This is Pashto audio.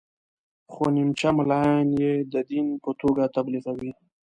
خو نیمچه ملایان یې د دین په توګه تبلیغوي.